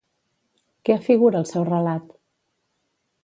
Què afigura el seu relat?